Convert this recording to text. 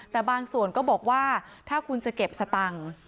แต่บางส่วนก็บอกว่าถ้าคุณจะเก็บสตังค์